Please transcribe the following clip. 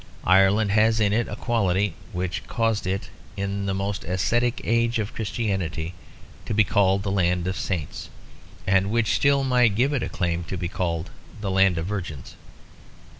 Ireland has in it a quality which caused it (in the most ascetic age of Christianity) to be called the "Land of Saints"; and which still might give it a claim to be called the Land of Virgins.